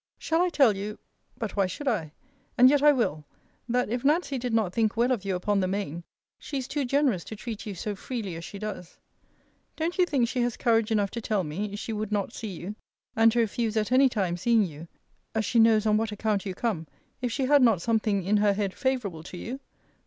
Shall I tell you but why should I? And yet I will, that if Nancy did not think well of you upon the main, she is too generous to treat you so freely as she does. Don't you think she has courage enough to tell me, she would not see you, and to refuse at any time seeing you, as she knows on what account you come, if she had not something in her head favourable to you?